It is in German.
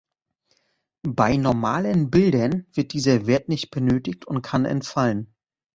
Bei normalen Bildern wird dieser Wert nicht benötigt und kann entfallen.